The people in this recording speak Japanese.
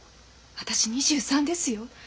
私２３ですよ。